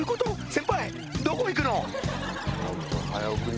先輩どこいくの？